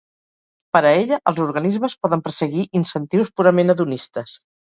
Per a ella, els organismes poden perseguir incentius purament hedonistes.